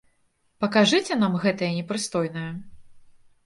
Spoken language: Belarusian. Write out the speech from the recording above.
Пакажыце нам гэтае непрыстойнае.